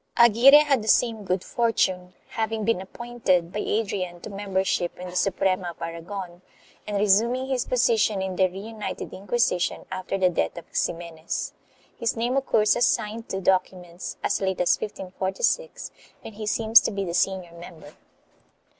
Aguirre had the same good fortune, having been appointed by Adrian to membership in the Suprema of Aragon and resuming his position in the reunited Inquisition after the death of Ximenes. His name occurs as signed to documents as late as 1546, when he seems to be the senior member.